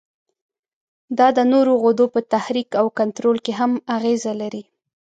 دا د نورو غدو په تحریک او کنترول کې هم اغیزه لري.